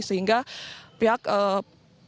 sehingga pihak pemadam kebakaran pemadam kebakaran